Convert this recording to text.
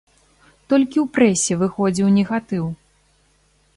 Толькі ў прэсе выходзіў негатыў.